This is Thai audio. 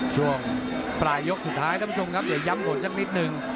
ช่วงปลายยกสุดท้ายท่านผู้ชมครับเดี๋ยวย้ำผลสักนิดหนึ่ง